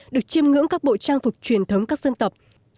được chiêm ngưỡng các bộ trang phục truyền thống các dân tộc